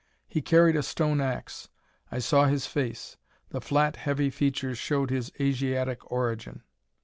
He carried a stone ax. I saw his face; the flat, heavy features showed his Asiatic origin.